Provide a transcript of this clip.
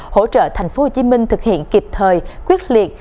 hỗ trợ tp hcm thực hiện kịp thời quyết liệt